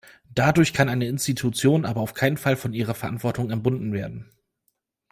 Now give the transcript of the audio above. Dadurch kann eine Institution aber auf keinen Fall von ihrer Verantwortung entbunden werden.